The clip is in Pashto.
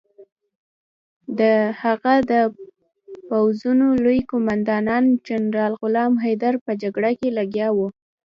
د هغه د پوځونو لوی قوماندان جنرال غلام حیدر په جګړه لګیا وو.